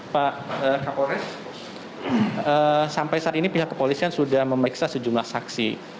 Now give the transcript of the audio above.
pak kapolres sampai saat ini pihak kepolisian sudah memeriksa sejumlah saksi